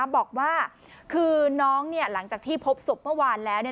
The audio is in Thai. บอกว่าคือน้องหลังจากที่พบศพเมื่อวานแล้ว